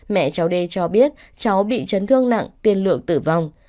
mẹ cháu d cho biết cháu bị chấn thương nặng tiên lượng tử vong